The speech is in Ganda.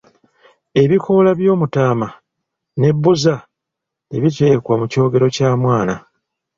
Ebikoola by'omutaama ne bbuza tebiteekwa mu kyogero kya mwana.